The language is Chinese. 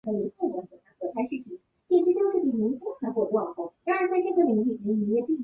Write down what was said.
美国总统杰斐逊决定派遣使者前往摩洛哥和阿尔及利亚试图商谈交换船员。